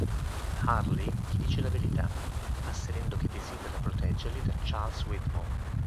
Hurley gli dice la verità, asserendo che desidera proteggerli da Charles Widmore.